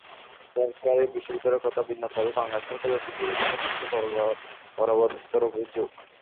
সরকারি বিশ্ববিদ্যালয়ের কথা ভিন্ন, তবে বাংলাদেশের সরকারি অফিসগুলো নিয়ে কিন্তু বরাবর বিস্তর অভিযোগ।